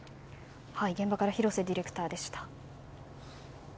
現場から広瀬ディレクターでした。